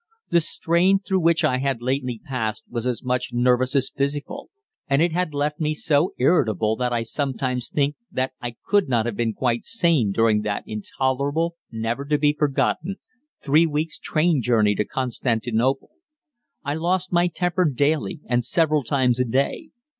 The strain through which I had lately passed was as much nervous as physical, and it had left me so irritable that I sometimes think that I could not have been quite sane during that intolerable never to be forgotten three weeks' train journey to Constantinople. I lost my temper daily, and several times a day.